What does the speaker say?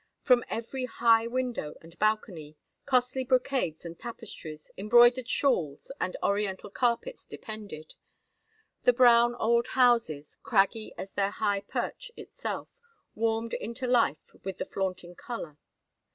From every high window and balcony costly brocades and tapestries, embroidered shawls and Oriental carpets depended. The brown old houses, craggy as their high perch itself, warmed into life with the flaunting color.